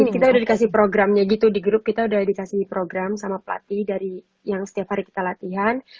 kita di kasih programnya itu di grup kita dari kasih program sama help dari yang setiap hari kita latihan